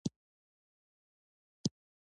وګړي د افغانستان د صادراتو برخه ده.